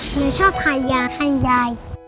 หนูชอบขายยาให้ยาย